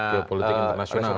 geopolitik internasional ya